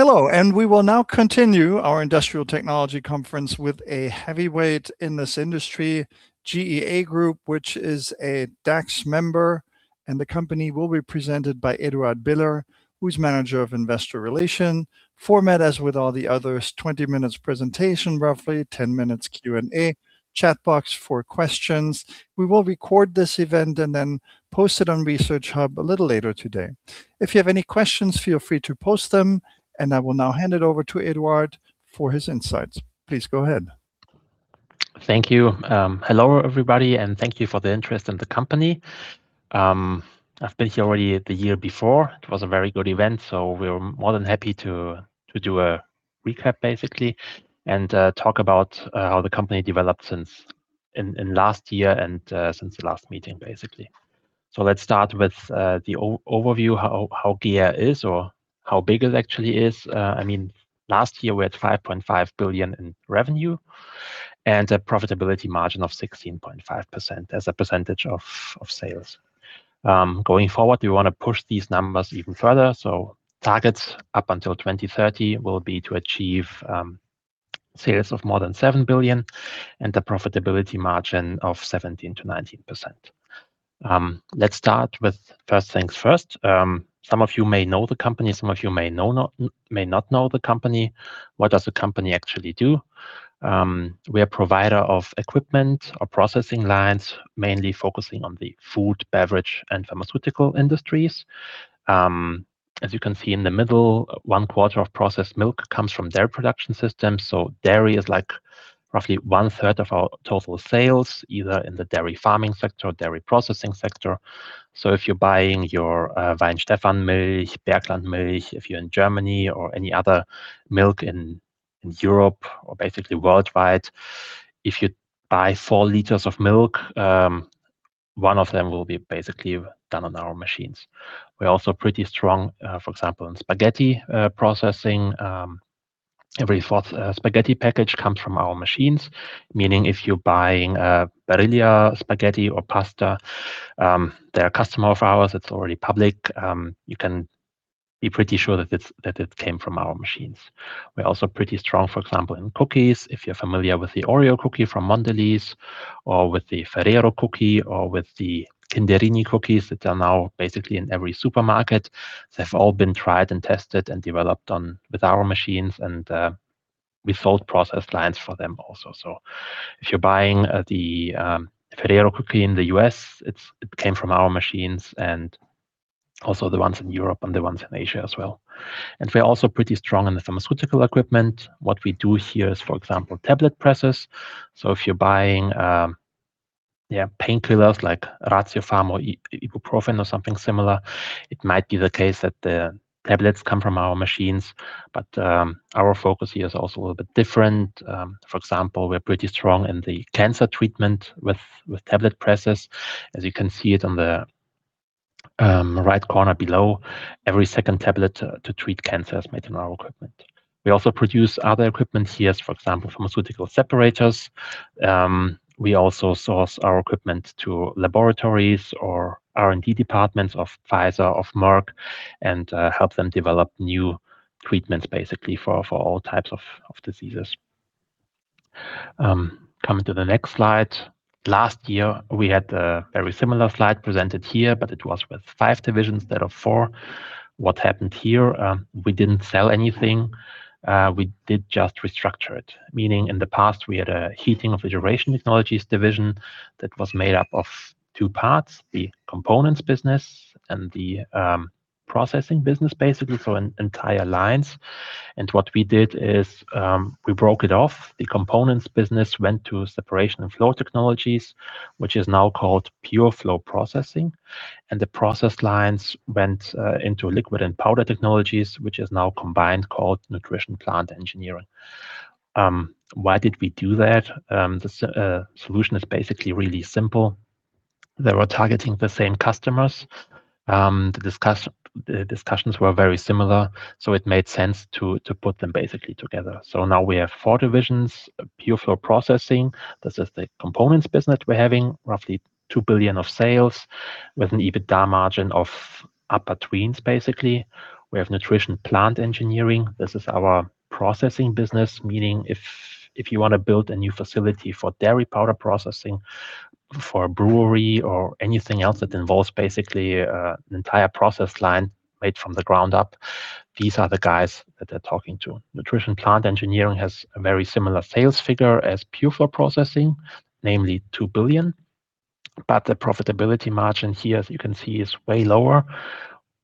Hello, and we will now continue our Industrial Technology Conference with a heavyweight in this industry, GEA Group, which is a DAX member. The company will be presented by Eduard Biller, who is Manager Investor Relations. Format, as with all the others, 20 minutes presentation, roughly 10 minutes Q&A, chat box for questions. We will record this event and then post it on Research Hub a little later today. If you have any questions, feel free to post them. I will now hand it over to Eduard for his insights. Please go ahead. Thank you. Hello, everybody, and thank you for the interest in the company. I've been here already the year before. It was a very good event. We're more than happy to do a recap and talk about how the company developed since last year and since the last meeting. Let's start with the overview, how GEA is or how big it actually is. Last year we had 5.5 billion in revenue and a profitability margin of 16.5% as a percentage of sales. Going forward, we want to push these numbers even further. Targets up until 2030 will be to achieve sales of more than 7 billion and the profitability margin of 17%-19%. Let's start with first things first. Some of you may know the company, some of you may not know the company. What does the company actually do? We are provider of equipment or processing lines, mainly focusing on the food, beverage, and pharmaceutical industries. As you can see in the middle, one quarter of processed milk comes from their production system. Dairy is roughly 1/3 of our total sales, either in the dairy farming sector or dairy processing sector. If you're buying your Weihenstephan milk, Berchtesgadener Land milk, if you're in Germany or any other milk in Europe or basically worldwide, if you buy 4 L of milk, one of them will be basically done on our machines. We're also pretty strong, for example, in spaghetti processing. Every fourth spaghetti package comes from our machines, meaning if you're buying Barilla spaghetti or pasta, they're a customer of ours, it's already public. You can be pretty sure that it came from our machines. We're also pretty strong, for example, in cookies. If you're familiar with the OREO cookie from Mondelez or with the Ferrero cookie, or with the Kinderini cookies that are now basically in every supermarket, they've all been tried and tested and developed with our machines. We sold process lines for them also. If you're buying the Ferrero cookie in the U.S., it came from our machines, also the ones in Europe and the ones in Asia as well. We're also pretty strong in the pharmaceutical equipment. What we do here is, for example, tablet presses. If you're buying painkillers like Ratiopharm or ibuprofen or something similar, it might be the case that the tablets come from our machines. Our focus here is also a little bit different. For example, we're pretty strong in the cancer treatment with tablet presses. As you can see it on the right corner below, every second tablet to treat cancer is made in our equipment. We also produce other equipment here, for example, pharmaceutical separators. We also source our equipment to laboratories or R&D departments of Pfizer, of Merck, and help them develop new treatments, basically, for all types of diseases. Coming to the next slide. Last year, we had a very similar slide presented here. It was with five divisions that are four. What happened here? We didn't sell anything. We did just restructure it, meaning in the past, we had a Heating & Refrigeration Technologies division that was made up of two parts, the components business and the processing business, basically for entire lines. What we did is, we broke it off. The components business went to Separation & Flow Technologies, which is now called Pure Flow Processing. The process lines went into Liquid & Powder Technologies, which is now combined called Nutrition Plant Engineering. Why did we do that? The solution is basically really simple. They were targeting the same customers. The discussions were very similar. It made sense to put them basically together. Now we have four divisions, Pure Flow Processing. This is the components business. We're having roughly 2 billion of sales with an EBITDA margin of upper tweens, basically. We have Nutrition Plant Engineering. This is our processing business, meaning if you want to build a new facility for dairy powder processing, for a brewery or anything else that involves basically an entire process line made from the ground up, these are the guys that they're talking to. Nutrition Plant Engineering has a very similar sales figure as Pure Flow Processing, namely 2 billion. The profitability margin here, as you can see, is way lower.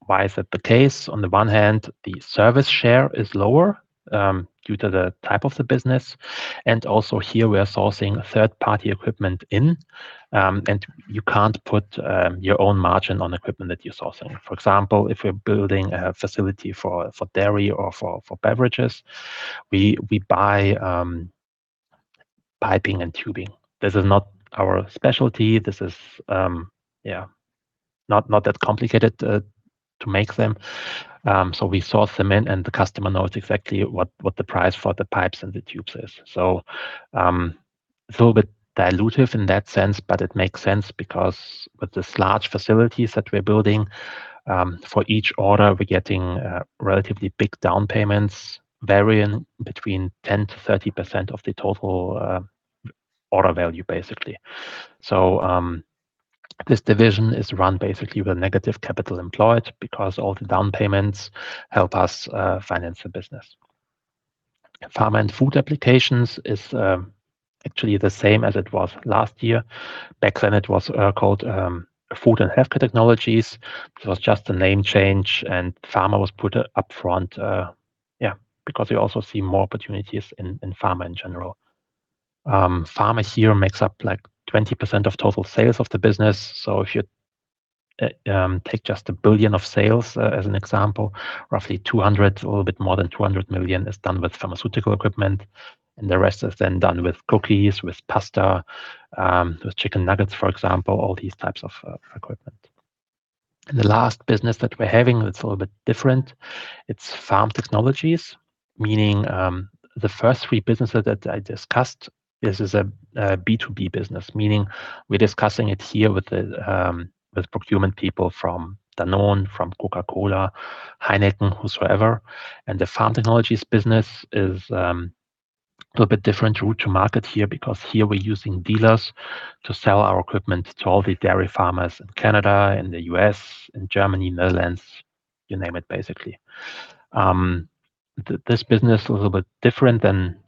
Why is that the case? On the one hand, the service share is lower, due to the type of the business. Also here we are sourcing third-party equipment in, and you can't put your own margin on equipment that you're sourcing. For example, if we're building a facility for dairy or for beverages, we buy piping and tubing. This is not our specialty. This is not that complicated to make them. We source them in and the customer knows exactly what the price for the pipes and the tubes is. It's a little bit dilutive in that sense, but it makes sense because with these large facilities that we're building, for each order, we're getting relatively big down payments varying between 10%-30% of the total order value, basically. This division is run basically with negative capital employed because all the down payments help us finance the business. Pharma & Food Applications is actually the same as it was last year. Back then it was called Food and Healthcare Technologies. It was just a name change, and Pharma was put upfront. Because we also see more opportunities in pharma in general. Pharma here makes up 20% of total sales of the business. If you take just 1 billion of sales as an example, roughly a little bit more than 200 million is done with pharmaceutical equipment, the rest is then done with cookies, with pasta, with chicken nuggets, for example, all these types of equipment. The last business that we're having that's a little bit different, it's Farm Technologies, meaning the first three businesses that I discussed, this is a B2B business, meaning we're discussing it here with procurement people from Danone, from The Coca-Cola Company, Heineken, whosoever. The Farm Technologies business is a little bit different route to market here, because here we're using dealers to sell our equipment to all the dairy farmers in Canada, in the U.S., in Germany, Netherlands, you name it, basically. This business is a little bit different than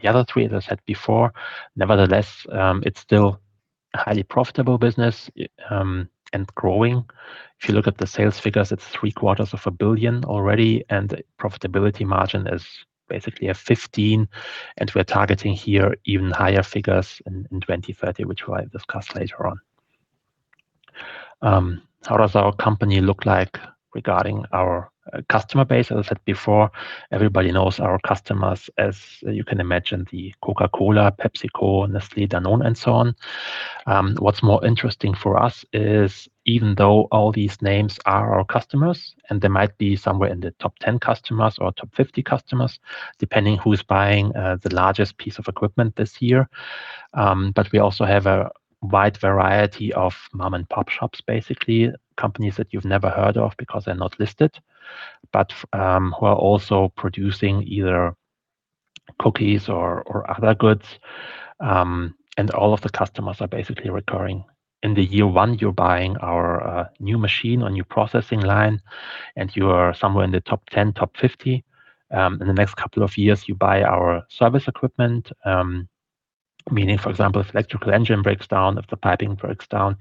the other three, as I said before. Nevertheless, it's still a highly profitable business, and growing. If you look at the sales figures, it's three quarters 1 billion already, the profitability margin is basically 15%, we're targeting here even higher figures in 2030, which we will discuss later on. How does our company look like regarding our customer base? As I said before, everybody knows our customers, as you can imagine, The Coca-Cola, PepsiCo, Nestlé, Danone, and so on. What's more interesting for us is even though all these names are our customers, and they might be somewhere in the top 10 customers or top 50 customers, depending who's buying the largest piece of equipment this year. We also have a wide variety of mom-and-pop shops, basically, companies that you've never heard of because they're not listed, but who are also producing either cookies or other goods. All of the customers are basically recurring. In the year one, you're buying our new machine or new processing line, you are somewhere in the top 10, top 50. In the next couple of years, you buy our service equipment, meaning, for example, if the electrical engine breaks down, if the piping breaks down,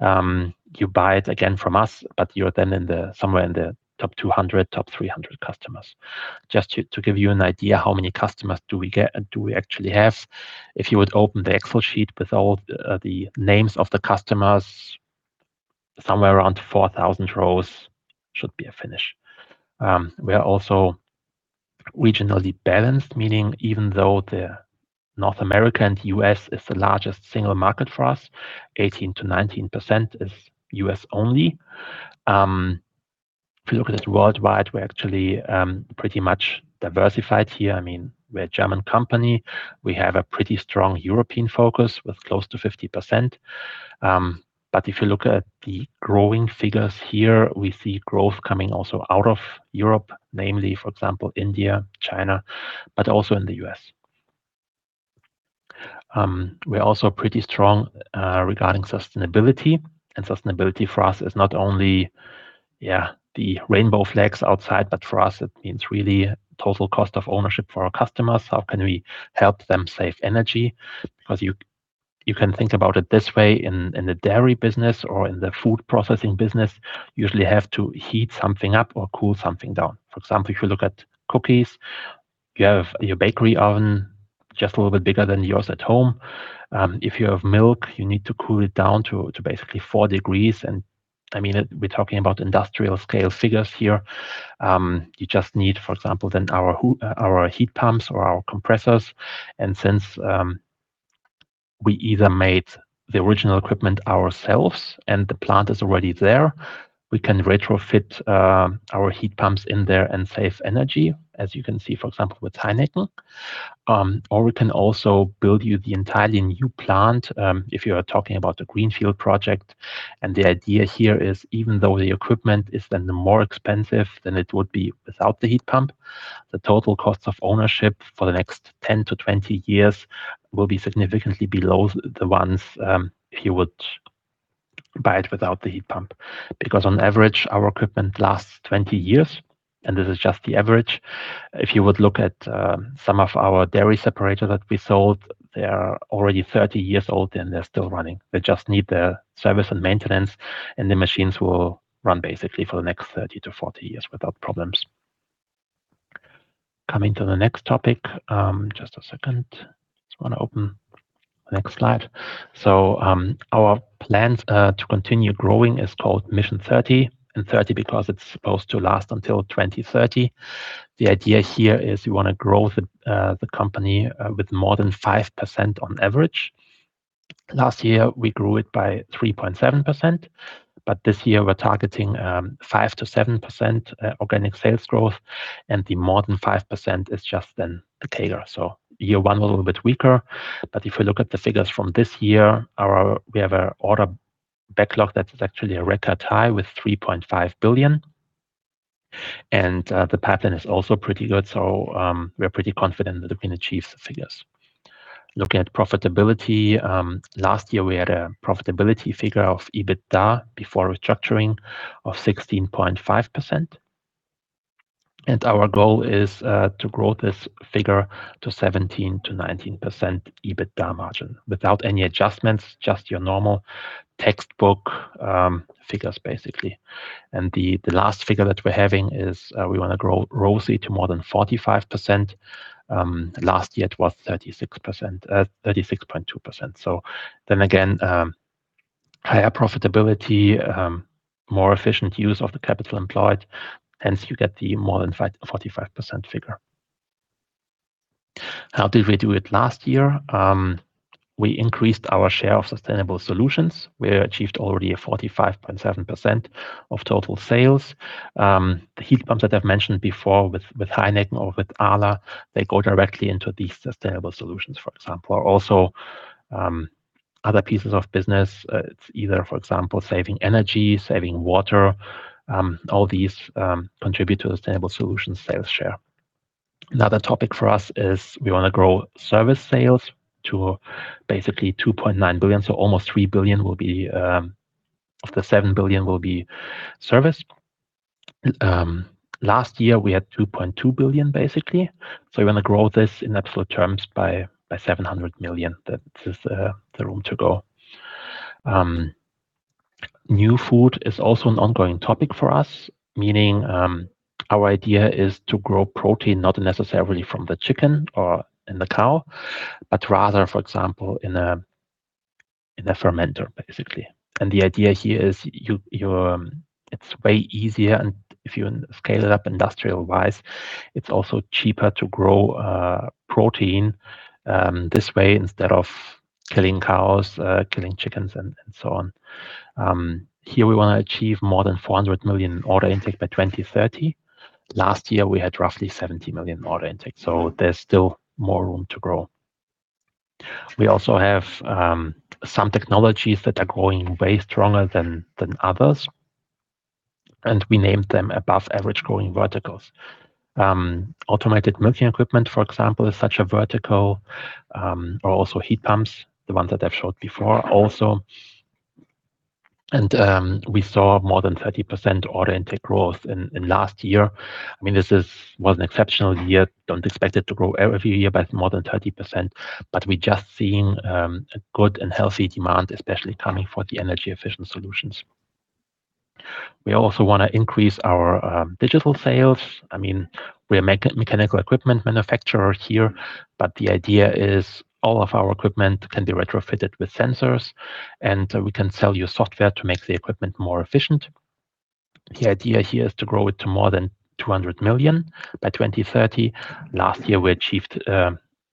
you buy it again from us, you're then somewhere in the top 200, top 300 customers. Just to give you an idea how many customers do we actually have. If you would open the Excel sheet with all the names of the customers, somewhere around 4,000 rows should be a finish. We are also regionally balanced, meaning even though the North America and U.S. is the largest single market for us, 18%-19% is U.S. only. If you look at it worldwide, we're actually pretty much diversified here. We're a German company. We have a pretty strong European focus with close to 50%. If you look at the growing figures here, we see growth coming also out of Europe, namely, for example, India, China, but also in the U.S. We're also pretty strong regarding sustainability. Sustainability for us is not only the rainbow flags outside, but for us, it means really total cost of ownership for our customers. How can we help them save energy? Because you can think about it this way. In the dairy business or in the food processing business, you usually have to heat something up or cool something down. For example, if you look at cookies, you have your bakery oven just a little bit bigger than yours at home. If you have milk, you need to cool it down to basically four degrees. We're talking about industrial scale figures here. You just need, for example, then our heat pumps or our compressors. Since we either made the original equipment ourselves and the plant is already there, we can retrofit our heat pumps in there and save energy, as you can see, for example, with Heineken. We can also build you the entirely new plant, if you are talking about a greenfield project. The idea here is even though the equipment is then more expensive than it would be without the heat pump, the total cost of ownership for the next 10 years-20 years will be significantly below the ones if you would buy it without the heat pump. Because on average, our equipment lasts 20 years, and this is just the average. If you would look at some of our dairy separators that we sold, they are already 30 years old, and they are still running. They just need the service and maintenance, the machines will run basically for the next 30 years-40 years without problems. Coming to the next topic. Just a second. Just want to open the next slide. Our plans to continue growing is called Mission 30 because it is supposed to last until 2030. The idea here is we want to grow the company with more than 5% on average. Last year we grew it by 3.7%, this year we are targeting 5%-7% organic sales growth, the more than 5% is just then the tailor. Year one was a little bit weaker, but if we look at the figures from this year, we have our order backlog that is actually a record high with 3.5 billion. The pipeline is also pretty good, so we are pretty confident that we can achieve the figures. Looking at profitability, last year we had a profitability figure of EBITDA before restructuring of 16.5%. Our goal is to grow this figure to 17%-19% EBITDA margin without any adjustments, just your normal textbook figures, basically. The last figure that we are having is we want to grow ROCE to more than 45%. Last year it was 36.2%. Again, higher profitability, more efficient use of the capital employed, hence you get the more than 45% figure. How did we do it last year? We increased our share of sustainable solutions. We achieved already a 45.7% of total sales. The heat pumps that I have mentioned before with Heineken or with Arla, they go directly into these sustainable solutions, for example. Also other pieces of business, it is either, for example, saving energy, saving water, all these contribute to the sustainable solutions sales share. Another topic for us is we want to grow service sales to basically 2.9 billion, so almost 3 billion will be, of the 7 billion will be service. Last year, we had 2.2 billion, basically. We want to grow this in absolute terms by 700 million. That is the room to go. New food is also an ongoing topic for us, meaning our idea is to grow protein not necessarily from the chicken or in the cow, but rather, for example, in a fermenter, basically. The idea here is it is way easier and if you scale it up industrial-wise, it is also cheaper to grow protein this way instead of killing cows, killing chickens, and so on. Here we want to achieve more than 400 million order intake by 2030. Last year, we had roughly 70 million order intake, so there is still more room to grow. We also have some technologies that are growing way stronger than others, we named them above average growing verticals. Automated milking equipment, for example, is such a vertical. Also heat pumps, the ones that I've showed before also. We saw more than 30% order intake growth in last year. This was an exceptional year. Don't expect it to grow every year by more than 30%, but we just seeing a good and healthy demand, especially coming for the energy efficient solutions. We also want to increase our digital sales. We are a mechanical equipment manufacturer here, but the idea is all of our equipment can be retrofitted with sensors, and we can sell you software to make the equipment more efficient. The idea here is to grow it to more than 200 million by 2030. Last year, we achieved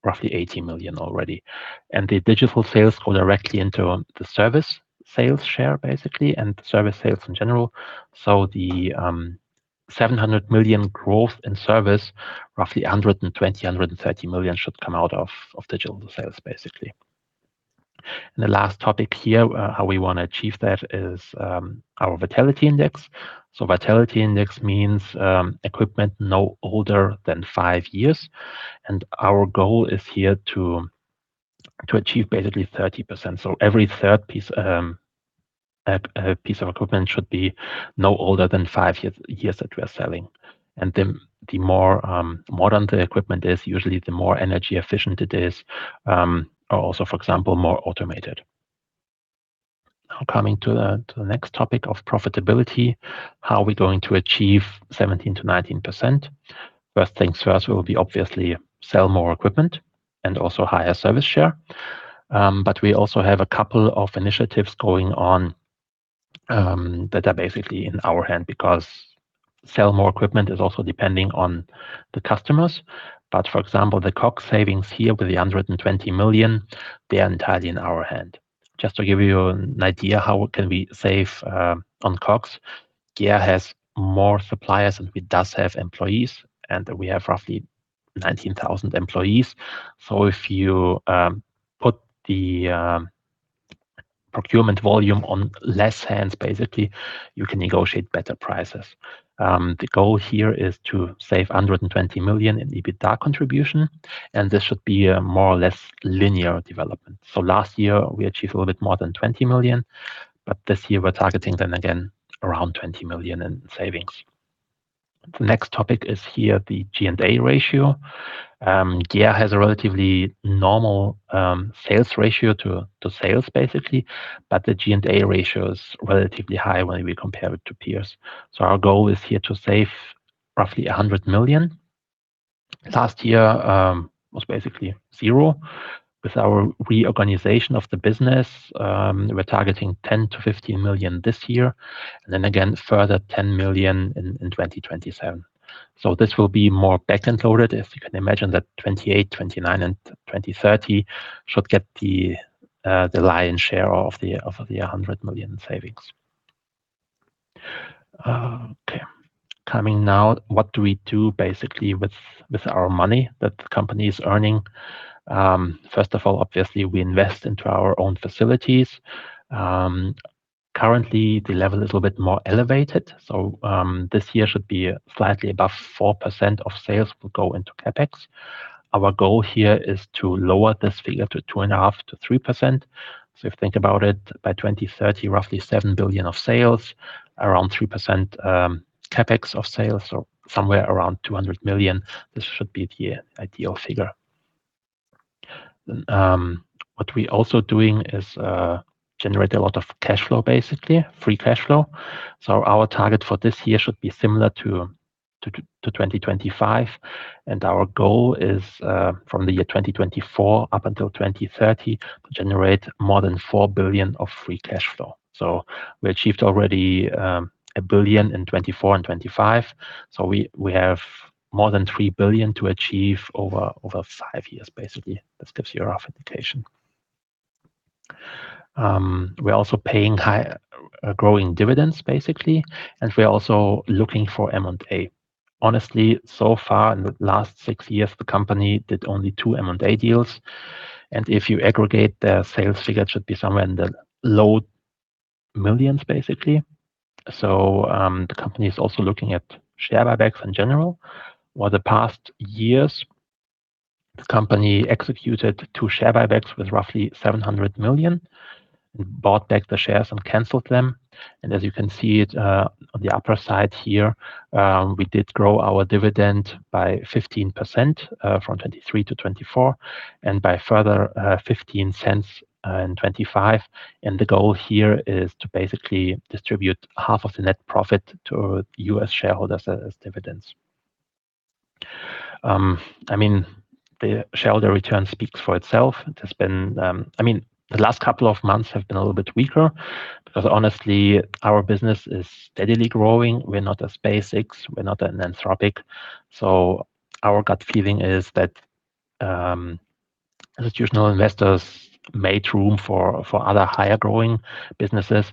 roughly 80 million already. The digital sales go directly into the service sales share, basically, and service sales in general. The 700 million growth in service, roughly 120 million-130 million should come out of digital sales, basically. The last topic here, how we want to achieve that is our vitality index. vitality index means equipment no older than five years. Our goal is here to achieve basically 30%. Every third piece of equipment should be no older than five years that we are selling. The more modern the equipment is, usually the more energy efficient it is. Also, for example, more automated. Now coming to the next topic of profitability, how are we going to achieve 17%-19%? First things first will be obviously sell more equipment and also higher service share. We also have a couple of initiatives going on that are basically in our hand, because sell more equipment is also depending on the customers. For example, the COGS savings here with the 120 million, they are entirely in our hand. Just to give you an idea how can we save on COGS. GEA has more suppliers than it does have employees, and we have roughly 19,000 employees. If you put the procurement volume on less hands, basically, you can negotiate better prices. The goal here is to save 120 million in EBITDA contribution, and this should be a more or less linear development. Last year, we achieved a little bit more than 20 million, but this year we're targeting then again around 20 million in savings. The next topic is here, the G&A ratio. GEA has a relatively normal sales ratio to sales, basically, but the G&A ratio is relatively high when we compare it to peers. Our goal is here to save roughly 100 million. Last year, was basically zero. With our reorganization of the business, we're targeting 10 million-15 million this year, and then again, further 10 million in 2027. This will be more back-end loaded. If you can imagine that 2028, 2029, and 2030 should get the lion's share of the 100 million savings. Coming now, what do we do basically with our money that the company's earning? First of all, obviously, we invest into our own facilities. Currently, the level is a little bit more elevated, so this year should be slightly above 4% of sales will go into CapEx. Our goal here is to lower this figure to 2.5%-3%. If you think about it, by 2030, roughly 7 billion of sales, around 3% CapEx of sales, somewhere around 200 million. This should be the ideal figure. What we're also doing is generate a lot of cash flow, basically, free cash flow. Our target for this year should be similar to 2025. Our goal is, from 2024 up until 2030, to generate more than 4 billion of free cash flow. We achieved already 1 billion in 2024 and 2025. We have more than 3 billion to achieve over five years. This gives you a rough indication. We're also paying high, growing dividends, and we're also looking for M&A. Honestly, so far, in the last six years, the company did only two M&A deals, and if you aggregate the sales figure, it should be somewhere in the low millions. The company is also looking at share buybacks in general. Over the past years, the company executed two share buybacks with roughly 700 million, bought back the shares, and canceled them. As you can see it on the upper side here, we did grow our dividend by 15%, from 2023 to 2024, and by a further 0.15 in 2025. The goal here is to basically distribute half of the net profit to U.S. shareholders as dividends. The shareholder return speaks for itself. The last couple of months have been a little bit weaker, honestly, our business is steadily growing. We're not a SpaceX, we're not an Anthropic. Our gut feeling is that institutional investors made room for other higher-growing businesses.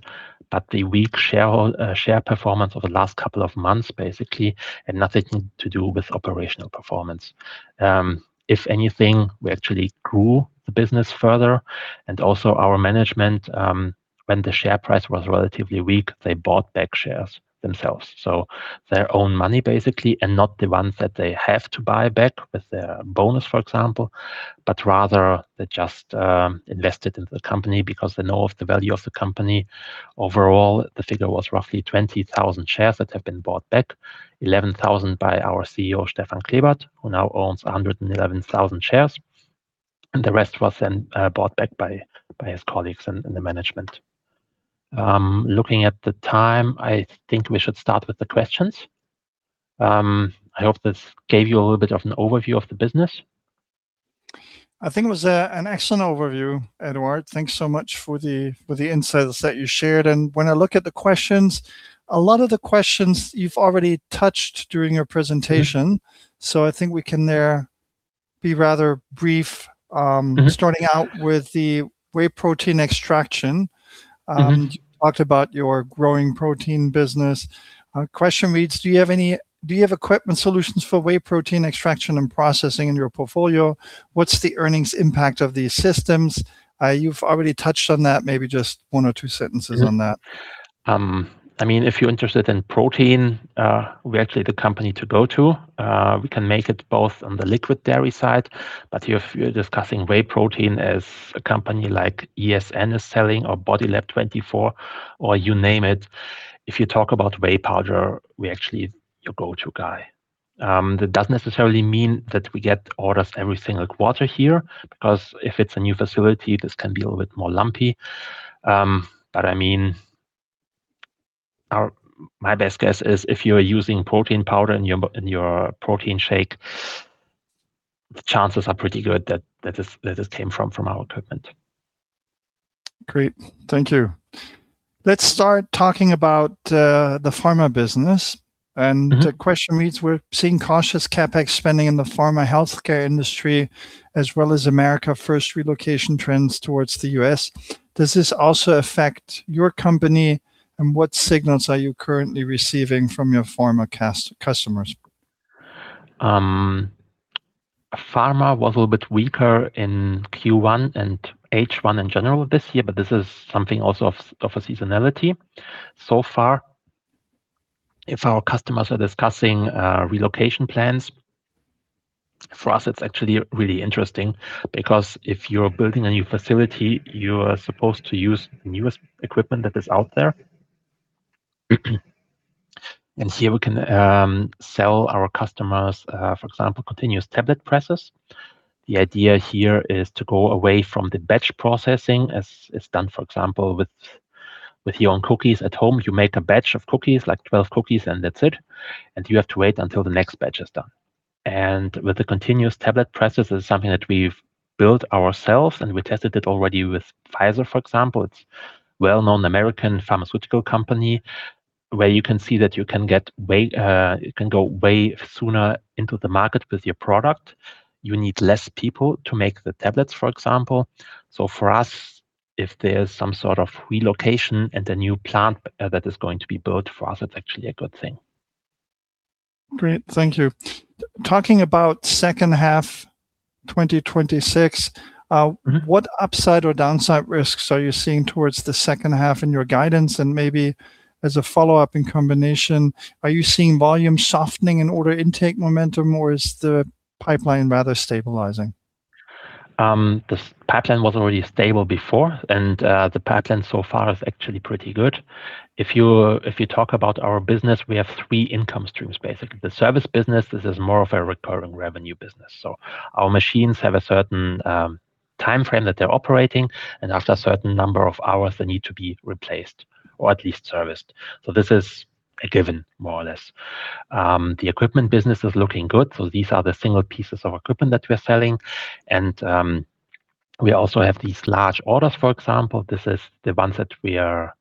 The weak share performance over the last couple of months had nothing to do with operational performance. If anything, we actually grew the business further, and also our management, when the share price was relatively weak, they bought back shares themselves. Their own money, and not the ones that they have to buy back with their bonus, for example, but rather they just invested into the company because they know of the value of the company. Overall, the figure was roughly 20,000 shares that have been bought back, 11,000 by our CEO, Stefan Klebert, who now owns 111,000 shares. The rest was then bought back by his colleagues in the management. Looking at the time, I think we should start with the questions. I hope this gave you a little bit of an overview of the business. I think it was an excellent overview, Eduard. Thanks so much for the insights that you shared. When I look at the questions, a lot of the questions you've already touched during your presentation. Yeah. I think we can there be rather brief. Starting out with the whey protein extraction. You talked about your growing protein business. Question reads, "Do you have equipment solutions for whey protein extraction and processing in your portfolio? What's the earnings impact of these systems?" You've already touched on that, maybe just one or two sentences on that. Yeah. If you're interested in protein, we're actually the company to go to. We can make it both on the liquid dairy side. If you're discussing whey protein as a company like ESN is selling or Bodylab24 or you name it, if you talk about whey powder, we're actually your go-to guy. That doesn't necessarily mean that we get orders every single quarter here, because if it's a new facility, this can be a little bit more lumpy. My best guess is if you're using protein powder in your protein shake, the chances are pretty good that this came from our equipment. Great. Thank you. Let's start talking about the pharma business. The question reads, "We're seeing cautious CapEx spending in the pharma/healthcare industry, as well as America first relocation trends towards the U.S. Does this also affect your company, and what signals are you currently receiving from your pharma customers? Pharma was a little bit weaker in Q1 and H1 in general this year, this is something also of a seasonality. So far, if our customers are discussing relocation plans, for us, it's actually really interesting because if you're building a new facility, you are supposed to use the newest equipment that is out there. Here we can sell our customers, for example, continuous tablet presses. The idea here is to go away from the batch processing as is done, for example, with your own cookies at home. You make a batch of cookies, like 12 cookies, and that's it. You have to wait until the next batch is done. With the continuous tablet presses, it's something that we've built ourselves, and we tested it already with Pfizer, for example. It's a well-known American pharmaceutical company where you can see that you can go way sooner into the market with your product. You need less people to make the tablets, for example. For us, if there's some sort of relocation and a new plant that is going to be built, for us, it's actually a good thing. Great. Thank you. Talking about second half 2026, what upside or downside risks so you're seeing towards the second half in your guidance. Maybe as a follow-up in combination, are you seeing volume softening in order intake momentum, or is the pipeline rather stabilizing? The pipeline was already stable before. The pipeline so far is actually pretty good. If you talk about our business, we have three income streams, basically. The service business, this is more of a recurring revenue business. Our machines have a certain timeframe that they're operating, and after a certain number of hours, they need to be replaced or at least serviced. This is a given, more or less. The equipment business is looking good. These are the single pieces of equipment that we're selling. We also have these large orders, for example. This is the ones that are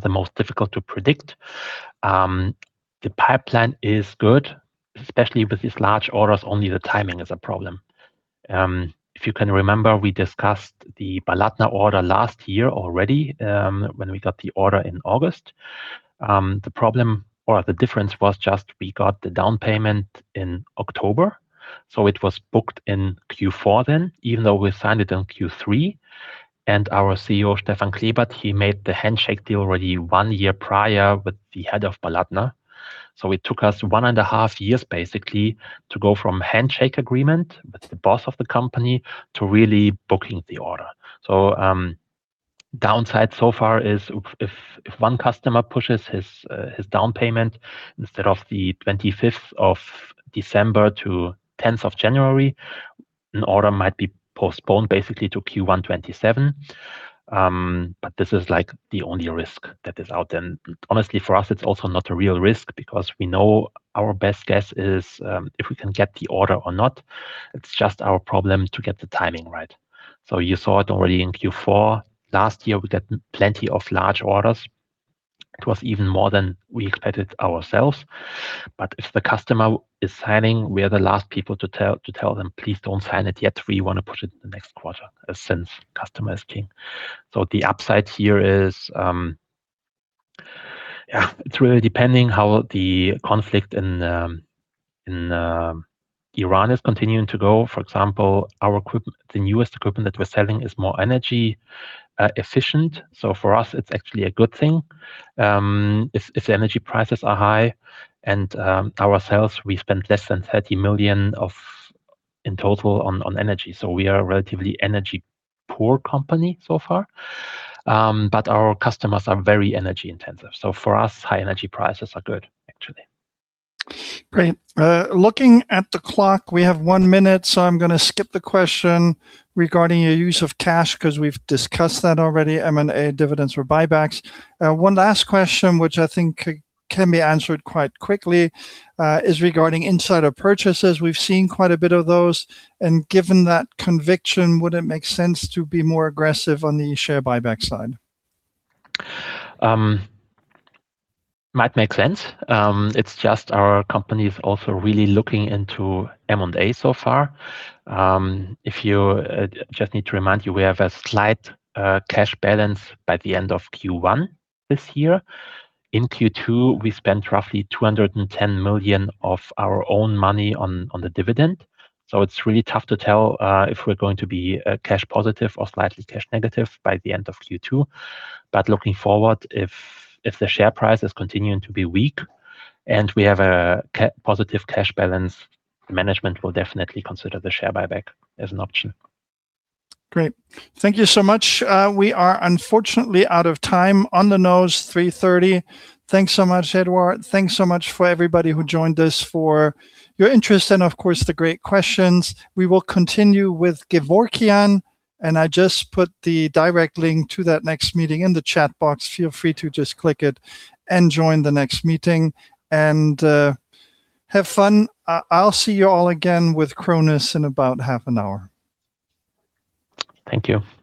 the most difficult to predict. The pipeline is good, especially with these large orders. Only the timing is a problem. If you can remember, we discussed the Baladna order last year already, when we got the order in August. The problem or the difference was just we got the down payment in October. It was booked in Q4 then, even though we signed it in Q3. Our CEO, Stefan Klebert, he made the handshake deal already one year prior with the head of Baladna. It took us one and a half years basically to go from handshake agreement with the boss of the company to really booking the order. Downside so far is if one customer pushes his down payment instead of the 25th of December to 10th of January, an order might be postponed basically to Q1 2027. This is the only risk that is out there. Honestly, for us, it's also not a real risk because we know our best guess is, if we can get the order or not, it's just our problem to get the timing right. You saw it already in Q4. Last year, we got plenty of large orders. It was even more than we expected ourselves. If the customer is signing, we are the last people to tell them, "Please don't sign it yet. We want to push it to the next quarter." Since customer is king. The upside here is, it's really depending how the conflict in Iran is continuing to go. For example, the newest equipment that we're selling is more energy efficient. For us, it's actually a good thing, if the energy prices are high and, ourselves, we spend less than 30 million in total on energy. We are a relatively energy-poor company so far. Our customers are very energy-intensive. For us, high energy prices are good, actually. Great. Looking at the clock, we have one minute. I'm going to skip the question regarding your use of cash, because we've discussed that already, M&A dividends or buybacks. One last question, which I think can be answered quite quickly, is regarding insider purchases. We've seen quite a bit of those. Given that conviction, would it make sense to be more aggressive on the share buyback side? Might make sense. It's just our company is also really looking into M&A so far. Just need to remind you, we have a slight cash balance by the end of Q1 this year. In Q2, we spent roughly 210 million of our own money on the dividend. It's really tough to tell if we're going to be cash positive or slightly cash negative by the end of Q2. Looking forward, if the share price is continuing to be weak and we have a positive cash balance, management will definitely consider the share buyback as an option. Great. Thank you so much. We are unfortunately out of time. On the nose, 3:30 P.M. Thanks so much, Eduard. Thanks so much for everybody who joined us, for your interest and of course, the great questions. We will continue with GEVORKYAN. I just put the direct link to that next meeting in the chat box. Feel free to just click it and join the next meeting. Have fun. I'll see you all again with Krones in about half an hour. Thank you. Bye.